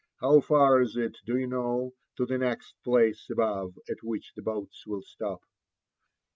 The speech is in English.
How far is it, do you know, to the next place above at which the boats will stop!"